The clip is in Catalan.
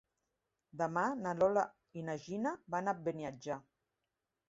Demà na Lola i na Nina van a Beniatjar.